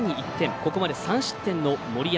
ここまで３失点の森山。